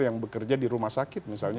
yang bekerja di rumah sakit misalnya